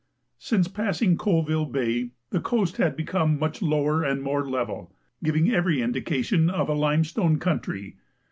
Since passing Colvile Bay the coast had become much lower and more level, giving every indication of a limestone country.